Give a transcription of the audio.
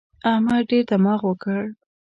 احمد ډېر دماغ وکړ.